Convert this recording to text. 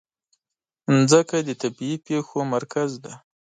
مځکه د طبیعي پېښو مرکز ده.